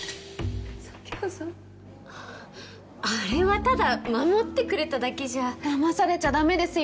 （高円寺あれはただ守ってくれただけじゃだまされちゃダメですよ